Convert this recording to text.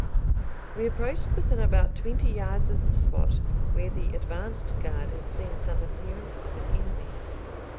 We approached within about twenty yards of the spot where the advanced guard had seen some appearance of an enemy.